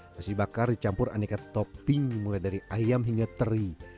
nasi bakar dicampur aneka topping mulai dari ayam hingga teri